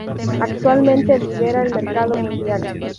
Actualmente lidera el mercado mundial.